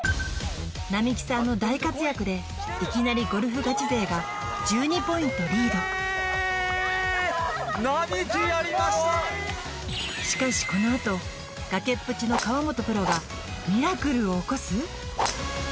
なみきさんの大活躍でいきなりゴルフガチ勢が１２ポイントリードしかしこのあと崖っぷちの河本プロがミラクルを起こす？